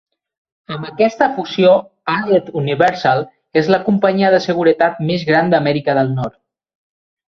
Amb aquesta fusió, Allied Universal és la companyia de seguretat més gran d'Amèrica del Nord.